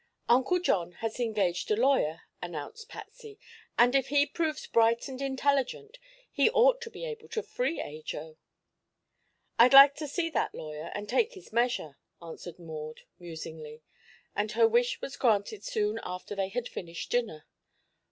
"Uncle John has engaged a lawyer," announced Patsy, "and if he proves bright and intelligent he ought to be able to free Ajo." "I'd like to see that lawyer, and take his measure," answered Maud, musingly, and her wish was granted soon after they had finished dinner.